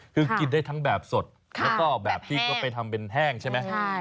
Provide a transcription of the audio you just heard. คือกินได้ทั้งแบบสดแล้วก็แบบที่เขาไปทำเป็นแห้งใช่ไหม